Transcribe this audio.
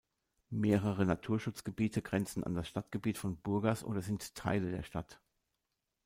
Mehrere Naturschutzgebiete grenzen an das Stadtgebiet von Burgas oder sind Teile der Stadt.